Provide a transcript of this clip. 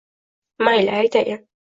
Mayli, aytayin